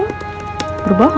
ingin terlihat lebih dari